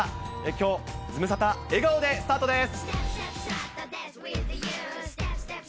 きょう、ズムサタ、笑顔でスタートです。